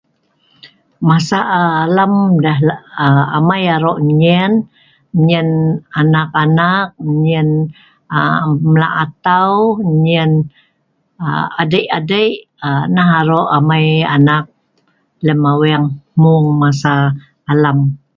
Masa alam amei arok enyen, enyen anak -anak, enyen m'lak atau , nyen a'dei-a'dei, nah arok amei anak lem aweng hmung masa alam